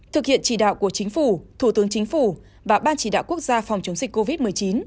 thực hiện chỉ đạo của chính phủ thủ tướng chính phủ và ban chỉ đạo quốc gia phòng chống dịch covid một mươi chín